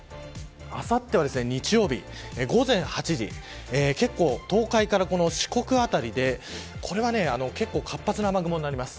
あさっては日曜日、午前８時結構、東海からこの四国辺りでけっこう活発な雨雲になります。